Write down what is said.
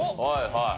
はい。